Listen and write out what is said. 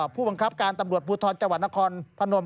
ผู้บังคับการตำรวจพูทรจักรวรรณคอนพนม